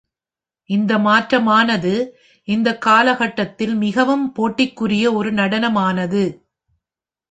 இந்த மாற்றமானது இந்தக் காலகட்டத்தில் மிகவும் போட்டிக்குரிய ஒரு நடனமானது.